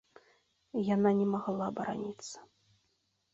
Яна не магла бараніцца.